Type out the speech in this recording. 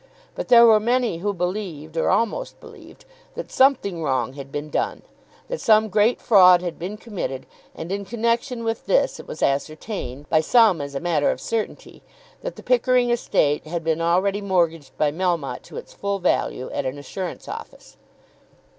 But there were many who believed, or almost believed, that something wrong had been done, that some great fraud had been committed; and in connection with this it was ascertained, by some as a matter of certainty, that the Pickering estate had been already mortgaged by Melmotte to its full value at an assurance office.